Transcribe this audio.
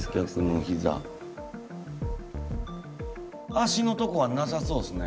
足のとこはなさそうっすね。